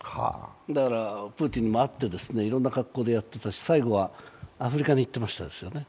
だから、プーチンにも会っていろんな格好でやってたし最後はアフリカに行ってましたよね。